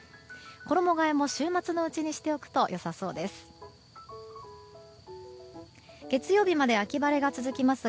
衣替えも週末のうちにしておくと良さそうです。